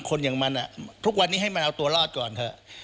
คนอย่างมันทุกวันนี้ให้มันเอาตัวรอดก่อนเถอะ